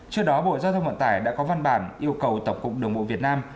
trước đó bộ giao thông vận tải đã có văn bản yêu cầu tổng cục đường bộ việt nam